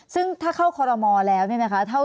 ซึ่งถ้าเข้าคอรมอลแล้วเนี่ยนะคะ